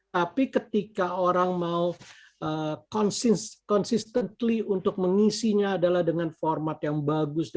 tapi ketika orang mau consistantly untuk mengisinya adalah dengan format yang bagus